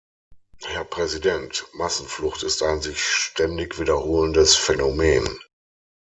Herr Präsident! Massenflucht ist ein sich ständig wiederholendes Phänomen.